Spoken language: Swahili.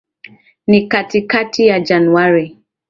Ni katikati ya Januari.